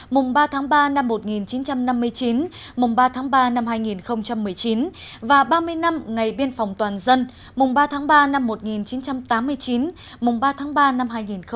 mùng ba tháng ba năm một nghìn chín trăm năm mươi chín mùng ba tháng ba năm hai nghìn một mươi chín và ba mươi năm ngày biên phòng toàn dân mùng ba tháng ba năm một nghìn chín trăm tám mươi chín mùng ba tháng ba năm hai nghìn hai mươi